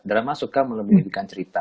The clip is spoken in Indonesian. drama suka mengeluhi cerita